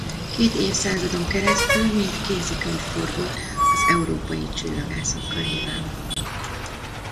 Két évszázadon keresztül mint kézikönyv forgott az európai csillagászok körében.